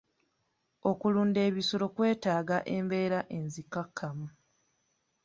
Okulunda ebisolo kwetaaga embeera enzikakkamu.